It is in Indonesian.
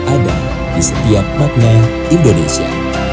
ada di setiap makna indonesia